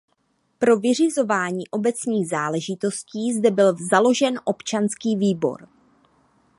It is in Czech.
Pro vyřizování obecních záležitostí zde byl založen občanský výbor.